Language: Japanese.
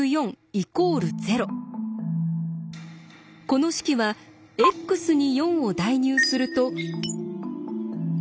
この式はＸに４を代入すると。